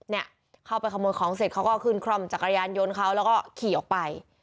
เนี่ยเข้าไปขโมยของเสร็จเขาก็ขึ้นคร่อมจักรยานยนต์เขาแล้วก็ขี่ออกไป